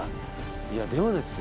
いやでもですよ。